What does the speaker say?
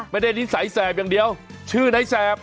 นิสัยแสบอย่างเดียวชื่อนายแสบ